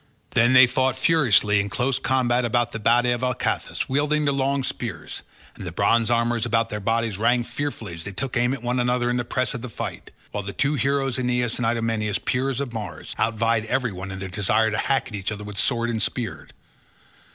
Then they fought furiously in close combat about the body of Alcathous, wielding their long spears; and the bronze armour about their bodies rang fearfully as they took aim at one another in the press of the fight, while the two heroes Aeneas and Idomeneus, peers of Mars, outvied everyone in their desire to hack at each other with sword and spear.